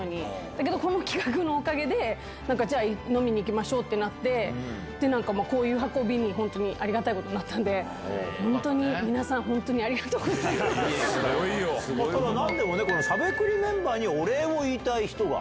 だけど、この企画のおかげで、じゃあ飲みに行きましょうってなって、なんかこういう運びに、本当にありがたいことになったので、本当に皆さん、本当にありがはぁ井浦さんは時々席を外すはぁ。